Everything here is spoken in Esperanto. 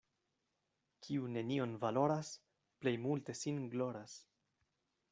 Kiu nenion valoras, plej multe sin gloras.